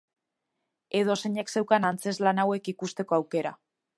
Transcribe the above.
Edozeinek zeukan antzezlan hauek ikusteko aukera.